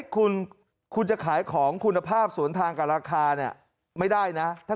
คุณจะขายของคุณภาพสวนทางกับราคา